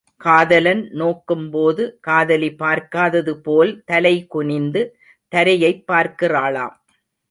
காதலன் நோக்கும் போது காதலி பார்க்காதது போல் தலை குனிந்து தரையைப் பார்க்கிறாளாம்.